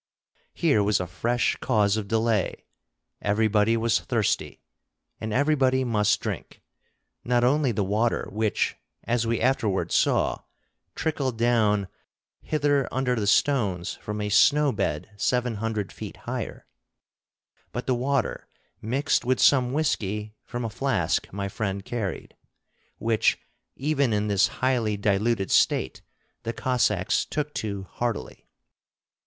Here was a fresh cause of delay: everybody was thirsty, and everybody must drink; not only the water which, as we afterwards saw, trickled down hither under the stones from a snow bed seven hundred feet higher, but the water mixed with some whisky from a flask my friend carried, which even in this highly diluted state the Cossacks took to heartily.